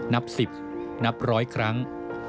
นับ๑๐นับร้อยครั้ง